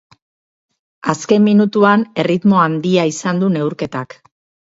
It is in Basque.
Azken minutuan erritmo handia izan du neurketak.